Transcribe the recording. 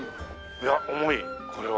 いや重いこれは。